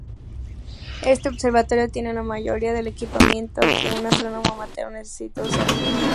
Este Observatorio tiene la mayoría del equipamiento que un astrónomo amateur necesita usar.